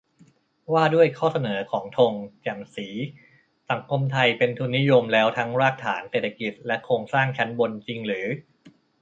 ว่าด้วยข้อเสนอของธง แจ่มศรี : สังคมไทยเป็นทุนนิยมแล้วทั้งรากฐานเศรษฐกิจและโครงสร้างชั้นบนจริงหรือ ?